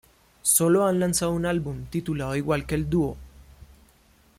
Solo han lanzado un álbum, titulado igual que el dúo.